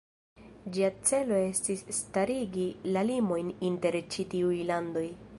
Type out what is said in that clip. Ĝia celo estis starigi la limojn inter ĉi tiuj landoj.